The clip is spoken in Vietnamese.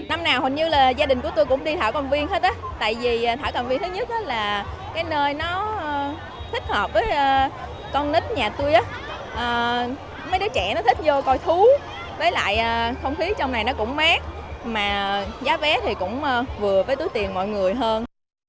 năm nào hình như là gia đình của tôi cũng đi thảo con viên hết tại vì thảo cầm viên thứ nhất là cái nơi nó thích hợp với con nít nhà tôi mấy đứa trẻ nó thích vô coi thú với lại không khí trong này nó cũng mát mà giá vé thì cũng vừa với túi tiền mọi người hơn